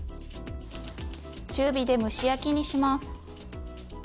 中火で蒸し焼きにします。